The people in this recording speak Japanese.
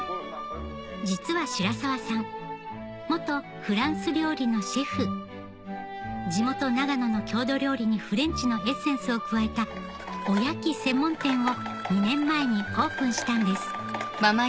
実は白澤さん元フランス料理のシェフ地元・長野の郷土料理にフレンチのエッセンスを加えたおやき専門店を２年前にオープンしたんです